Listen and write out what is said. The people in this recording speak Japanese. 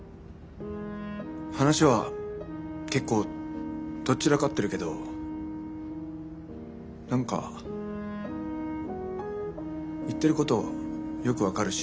話は結構とっ散らかってるけど何か言ってることよく分かるし。